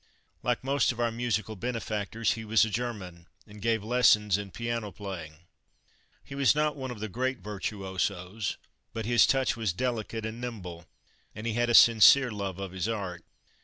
Like most of our musical benefactors, he was a German, and gave lessons in piano playing. He was not one of the great virtuosos, but his touch was delicate and nimble, and he had a sincere love of his art.